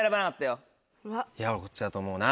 いや俺こっちだと思うな。